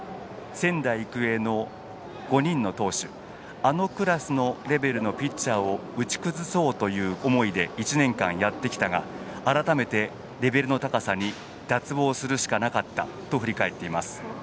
仙台育英の５人の投手あのクラスのレベルのピッチャーを打ち崩そうという思いで１年間やってきたが改めてレベルの高さに脱帽するしかなかったと振り返っています。